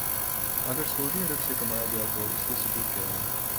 اگر سعودی عرب سے کمایا گیا تو اس کا ثبوت کیا ہے؟